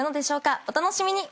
お楽しみに！